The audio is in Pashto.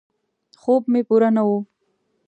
خوب مې پوره نه و.